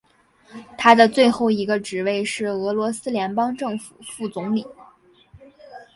他的最后一个职位是俄罗斯联邦政府副总理。